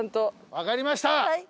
分かりました。